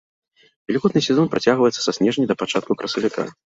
Вільготны сезон працягваецца са снежня да пачатку красавіка.